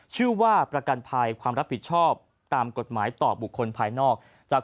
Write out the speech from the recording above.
ชื่อว่าประกันภัยความรับผิดชอบตามกฎหมายต่อบุคคลภายนอกจาก